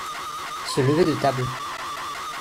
Se lever de table.